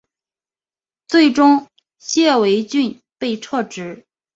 最终谢维俊被撤职。